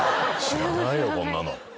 知らないよこんなの。